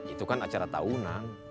itu kan acara tahunan